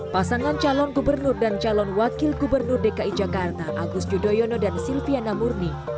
pasangan calon gubernur dan calon wakil gubernur dki jakarta agus yudhoyono dan silviana murni